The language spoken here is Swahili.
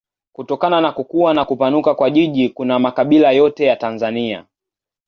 Kutokana na kukua na kupanuka kwa jiji kuna makabila yote ya Tanzania.